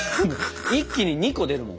一気に２個出るもん。